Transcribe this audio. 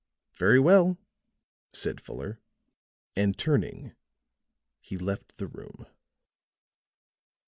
"Very well," said Fuller; and turning he left the room.